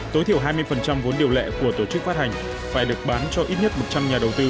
tối thiểu hai mươi vốn điều lệ của tổ chức phát hành phải được bán cho ít nhất một trăm linh nhà đầu tư